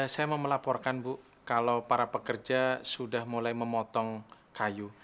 saya mau melaporkan bu kalau para pekerja sudah mulai memotong kayu